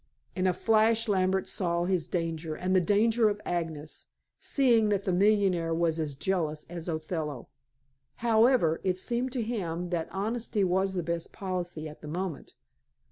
In a flash Lambert saw his danger, and the danger of Agnes, seeing that the millionaire was as jealous as Othello. However, it seemed to him that honesty was the best policy at the moment.